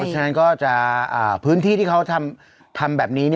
ฉะนั้นก็จะพื้นที่ที่เขาทำแบบนี้